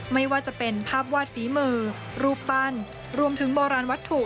ไม่ว่าจะเป็นภาพวาดฝีมือรูปปั้นรวมถึงโบราณวัตถุ